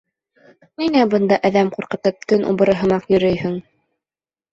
— Ниңә бында, әҙәм ҡурҡытып, төн убыры һымаҡ йөрөйһөң?